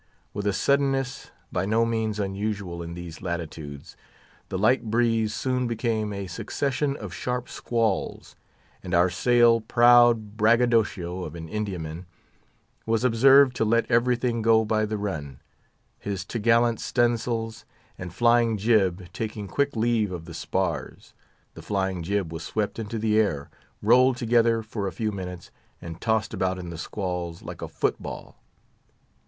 With a suddenness by no means unusual in these latitudes, the light breeze soon became a succession of sharp squalls, and our sail proud braggadacio of an India man was observed to let everything go by the run, his t' gallant stun' sails and flying jib taking quick leave of the spars; the flying jib was swept into the air, rolled together for a few minutes, and tossed about in the squalls like a foot ball.